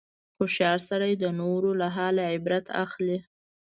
هوښیار سړی د نورو له حاله عبرت اخلي.